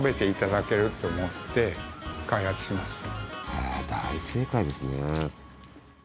ああ大正解ですね。